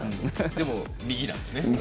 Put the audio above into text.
でも、右なんですね。